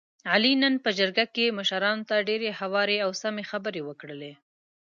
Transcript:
علي نن په جرګه کې مشرانو ته ډېرې هوارې او سمې خبرې وکړلې.